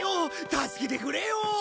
助けてくれよ。